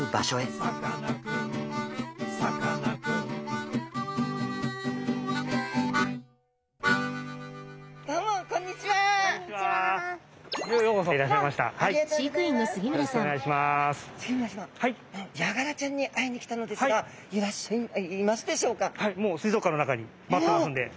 はいもう水族館の中に待ってますんで是非見てください。